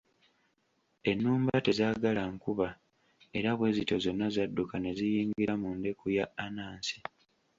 Ennumba tezaagala nkuba era bwe zityo zonna zadduka ne ziyingira mu ndeku ya Anansi.